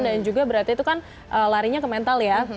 juga berarti itu kan larinya ke mental ya